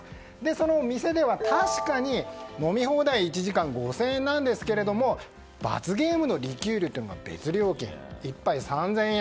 その後、店では確かに飲み放題１時間５０００円ですが罰ゲームのリキュールというのは別料金で１杯３０００円。